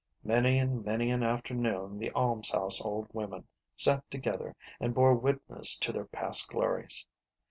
Many and many an afternoon the almshouse old women sat together and bore witness to their past glories.